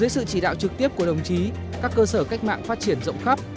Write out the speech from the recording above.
dưới sự chỉ đạo trực tiếp của đồng chí các cơ sở cách mạng phát triển rộng khắp